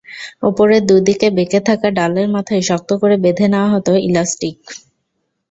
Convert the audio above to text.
ওপরের দুদিকে বেঁকে থাকা ডালের মাথায় শক্ত করে বেঁধে নেওয়া হতো ইলাস্টিক।